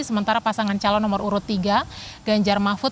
sementara pasangan calon nomor urut tiga ganjar mahfud